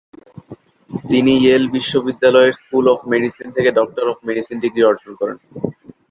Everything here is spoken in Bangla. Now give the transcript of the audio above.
তিনি ইয়েল বিশ্ববিদ্যালয়ের স্কুল অব মেডিসিন থেকে ডক্টর অব মেডিসিন ডিগ্রি অর্জন করেন।